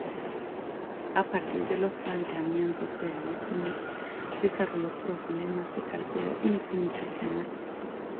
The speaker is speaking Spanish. A partir de los planteamientos de Leibniz desarrolló problemas de cálculo infinitesimal.